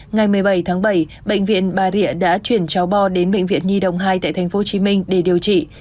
ngày một mươi bảy tháng bảy bệnh viện bà rịa đã chuyển cháu bo đến bệnh viện nhi đồng hai tại tp hcm để điều trị